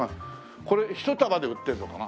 これ１束で売ってるのかな？